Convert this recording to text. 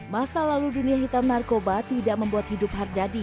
masa lalu dunia hitam narkoba tidak membuat hidup hardadi